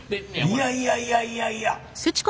いやいやいやいやいや。